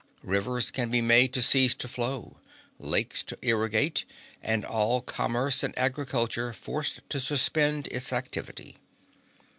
Rivers can be made to cease to flow, lakes to irrigate, and all commerce and agriculture forced to suspend its activity.